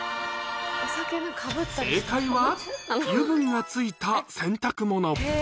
正解は、油分がついた洗濯物。